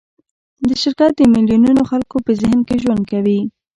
شرکت د میلیونونو خلکو په ذهن کې ژوند کوي.